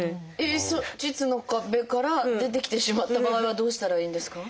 腟の壁から出てきてしまった場合はどうしたらいいんですか？